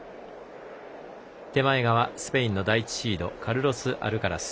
手前側、スペインの第１シードカルロス・アルカラス。